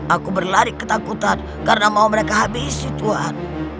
aku berlari ketakutan karena mau mereka habisi tuhan